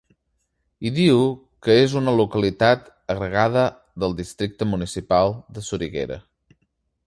Hi diu que és una localitat agregada del districte municipal de Soriguera.